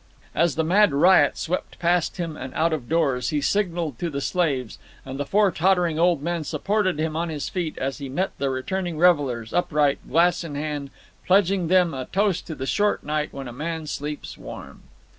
As the mad riot swept past him and out of doors, he signalled to the slaves, and the four tottering old men supported him on his feet as he met the returning revellers, upright, glass in hand, pledging them a toast to the short night when a man sleeps warm.